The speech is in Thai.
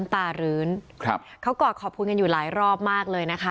ตารื้นครับเขากอดขอบคุณกันอยู่หลายรอบมากเลยนะคะ